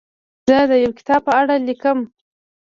زه د یو کتاب په اړه لیکم.